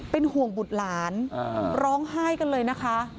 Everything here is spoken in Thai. เป็นห่วงบุตรหลานร้องไห้กันเลยนะคะ